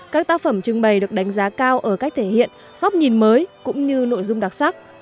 các tác phẩm trưng bày được đánh giá cao ở cách thể hiện góc nhìn mới cũng như nội dung đặc sắc